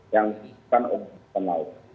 yang diperlukan untuk penelitian laut